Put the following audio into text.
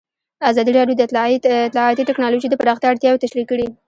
ازادي راډیو د اطلاعاتی تکنالوژي د پراختیا اړتیاوې تشریح کړي.